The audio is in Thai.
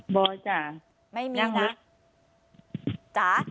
ไม่มีนะ